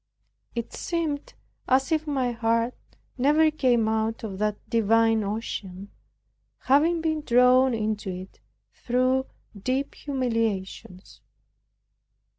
It seemed as if my heart never came out of that divine ocean, having been drawn into it through deep humiliations.